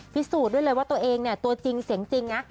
พิสูจน์ด้วยเลยว่าตัวเองเนี่ยตัวจริงเสียงจริงนะ